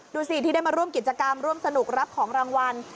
ดูสิที่ได้มาร่วมกิจกรรมร่วมสนุกรับของรางวัล